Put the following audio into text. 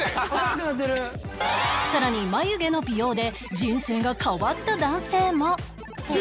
さらに眉毛の美容で人生が変わった男性も